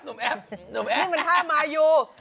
นี่มันท่ามายู